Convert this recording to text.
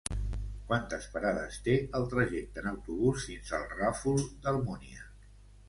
Quantes parades té el trajecte en autobús fins al Ràfol d'Almúnia?